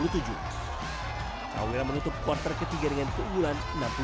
trawira menutup quarter ke tiga dengan keunggulan enam puluh tujuh lima puluh lima